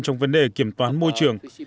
trong vấn đề kiểm toán môi trường